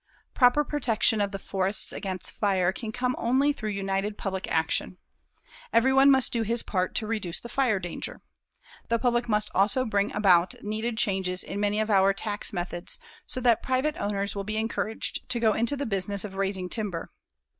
Proper protection of the forests against fire can come only through united public action. Everyone must do his part to reduce the fire danger. The public must also bring about needed changes in many of our tax methods so that private owners will be encouraged to go into the business of raising timber.